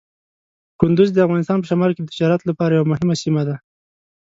کندز د افغانستان په شمال کې د تجارت لپاره یوه مهمه سیمه ده.